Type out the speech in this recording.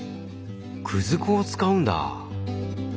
くず粉を使うんだ。